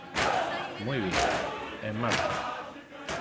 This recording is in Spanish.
Muy bien, en marcha.